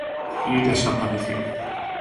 Y desapareció.